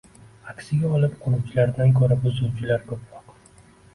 Aksiga olib, quruvchilardan ko‘ra buzuvchilar ko‘proq.